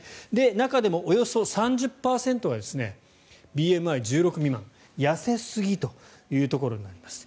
中でもおよそ３０％がＢＭＩ１６未満痩せすぎというところになります。